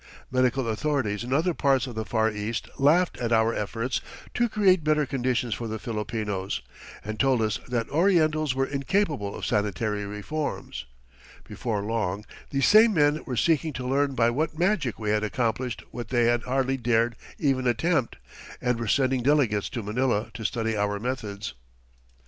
Medical authorities in other parts of the Far East laughed at our efforts to create better conditions for the Filipinos, and told us that Orientals were incapable of sanitary reforms. Before long, these same men were seeking to learn by what magic we had accomplished what they had hardly dared even attempt, and were sending delegates to Manila to study our methods.